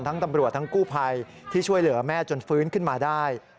ตำรวจทั้งกู้ภัยที่ช่วยเหลือแม่จนฟื้นขึ้นมาได้